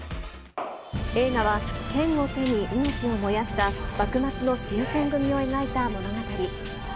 映画は、剣を手に命を燃やした、幕末の新選組を描いた物語。